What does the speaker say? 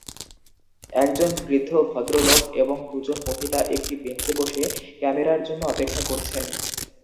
একজন বৃদ্ধ ভদ্রলোক এবং দুজন মহিলা একটি বেঞ্চে বসে ক্যামেরার জন্য অপেক্ষা করছেন।